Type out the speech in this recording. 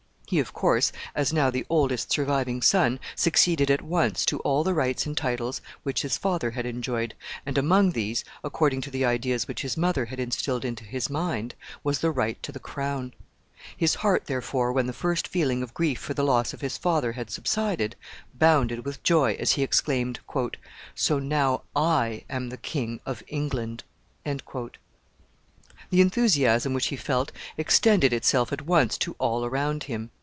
He, of course, as now the oldest surviving son, succeeded at once to all the rights and titles which his father had enjoyed, and among these, according to the ideas which his mother had instilled into his mind, was the right to the crown. His heart, therefore, when the first feeling of grief for the loss of his father had subsided, bounded with joy as he exclaimed, "So now I am the King of England." The enthusiasm which he felt extended itself at once to all around him.